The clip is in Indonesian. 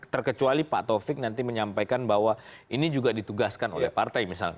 terkecuali pak taufik nanti menyampaikan bahwa ini juga ditugaskan oleh partai misalnya